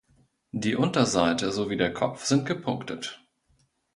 Die Unterseite sowie der Kopf sind gepunktet.